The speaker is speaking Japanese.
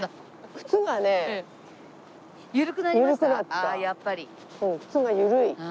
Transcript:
靴が緩い。